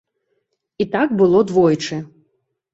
І так было двойчы.